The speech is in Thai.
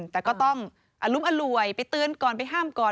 แต่ก็ต้องอรุ้มอร่วยไปเตือนก่อนไปห้ามก่อน